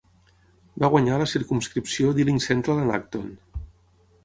Va guanyar a la circumscripció d'Ealing Central and Acton